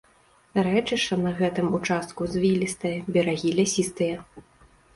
Рэчышча на гэтым участку звілістае, берагі лясістыя.